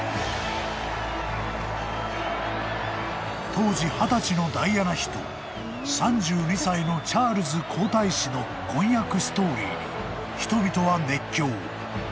［当時二十歳のダイアナ妃と３２歳のチャールズ皇太子の婚約ストーリーに人々は熱狂］